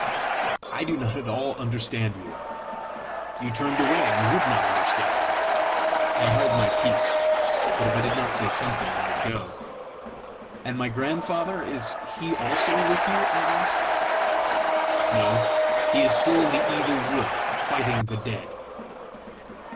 "I do not at all understand you!" "You turned away, and would not understand!" I held my peace. But if I did not say something, he would go! "And my grandfather is he also with you?" I asked. "No; he is still in the Evil Wood, fighting the dead."